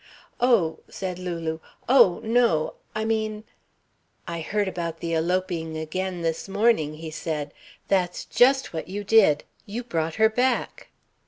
"Oh!" said Lulu. "Oh, no I mean " "I heard about the eloping again this morning," he said. "That's just what you did you brought her back."